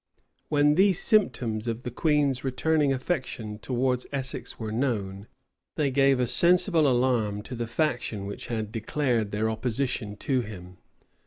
[] When these symptoms of the queen's returning affection towards Essex were known, they gave a sensible alarm to the faction which had declared their opposition to him.